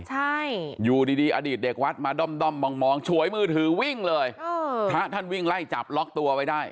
ใช่อยู่ดีดีอดีตเด็กวัดมาด้อมด้อมมองฉวยมือถือวิ่งเลยเออพระท่านวิ่งไล่จับล็อกตัวไว้ได้